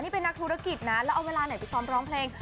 นี่เป็นนักธุรกิจนะแล้วเอาเวลาไหนไปซ้อมร้องเพลง